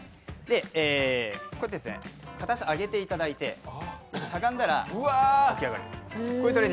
こうやって片足を上げていただいてしゃがんだら起き上がる。